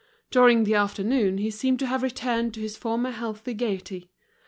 During the afternoon he seemed to have returned to his former healthy gaiety.